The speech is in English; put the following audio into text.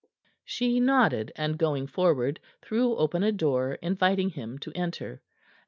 She nodded, and, going forward, threw open a door, inviting him to enter.